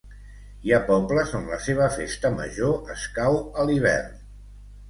Hi ha pobles on la seva festa major escau a l'hivern